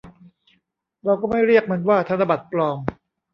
เราก็ไม่เรียกมันว่าธนบัตรปลอม